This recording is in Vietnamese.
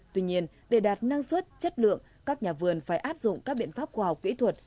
tuy nhiên để đạt năng suất chất lượng các nhà vườn phải áp dụng các biện pháp khoa học kỹ thuật